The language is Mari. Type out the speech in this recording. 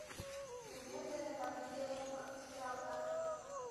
Лӱмем дене памилемым сералза.